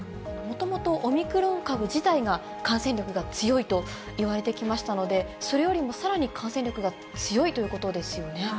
もともと、オミクロン株自体が感染力が強いといわれてきましたので、それよりもさらに感染力が強いということですよね。